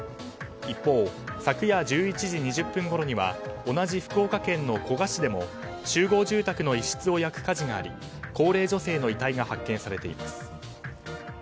一方、昨夜１１時２０分ごろには同じ福岡県の古賀市でも集合住宅の一室を焼く火事があり高齢女性の遺体が発見されています。